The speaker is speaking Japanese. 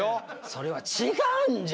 それは違うんじゃ。